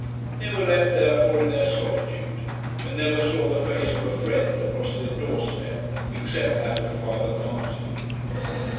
They were left therefore in their solitude, and never saw the face of a friend across their door step except that of Father Marty.